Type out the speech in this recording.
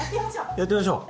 やってみましょう！